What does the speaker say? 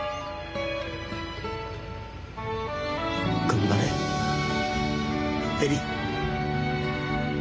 頑張れ恵里